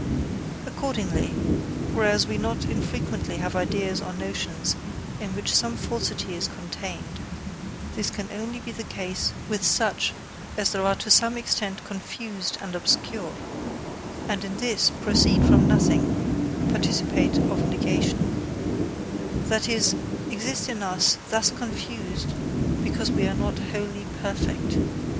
Accordingly, whereas we not infrequently have ideas or notions in which some falsity is contained, this can only be the case with such as are to some extent confused and obscure, and in this proceed from nothing (participate of negation), that is, exist in us thus confused because we are not wholly perfect.